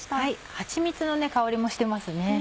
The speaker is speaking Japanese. はちみつの香りもしてますね。